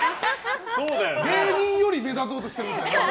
芸人より目立とうとしてるなみたいな。